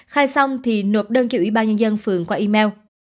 khai xong thì nộp đơn cho ủy ban nhân dân phường qua email